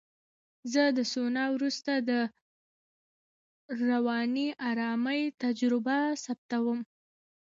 زه د سونا وروسته د رواني آرامۍ تجربه ثبتوم.